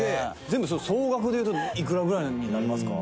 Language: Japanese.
「全部それ総額で言うといくらぐらいになりますか？」